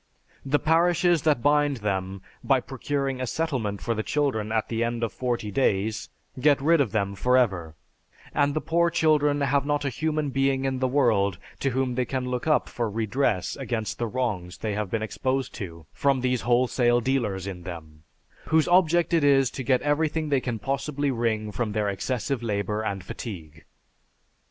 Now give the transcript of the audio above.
The parishes that bind them, by procuring a settlement for the children at the end of forty days, get rid of them for ever; and the poor children have not a human being in the world to whom they can look up for redress against the wrongs they may be exposed to from these wholesale dealers in them, whose object it is to get everything they can possibly wring from their excessive labor and fatigue."